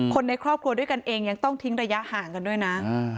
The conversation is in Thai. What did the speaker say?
คนในครอบครัวด้วยกันเองยังต้องทิ้งระยะห่างกันด้วยนะ